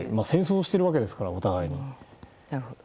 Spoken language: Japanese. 戦争をしているわけですからお互いに。